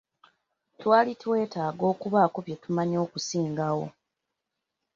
Twali twetaaga okubaako bye tumanya okusingawo.